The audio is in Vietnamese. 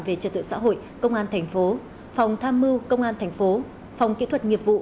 về trật tự xã hội công an thành phố phòng tham mưu công an thành phố phòng kỹ thuật nghiệp vụ